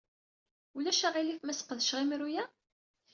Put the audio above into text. Ulac aɣilif ma sqedceɣ imru-a?